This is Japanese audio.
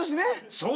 そう！